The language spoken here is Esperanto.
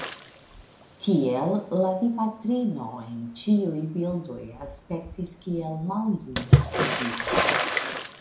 Tiel la Dipatrino en ĉiuj bildoj aspektis kiel maljuna virino.